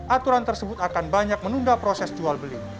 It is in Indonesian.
aturan tersebut akan banyak menunda proses jual beli